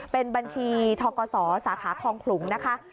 เป็นบัญชีทกศสาขาคลองขลุงนะคะ